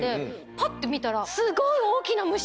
パッて見たら。